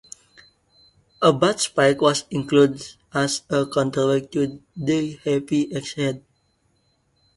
A butt spike was included as a counterweight to the heavy axe head.